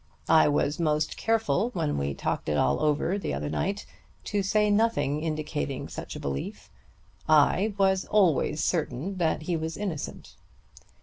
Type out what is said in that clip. "I was most careful, when we talked it all over the other night, to say nothing indicating such a belief. I was always certain that he was innocent."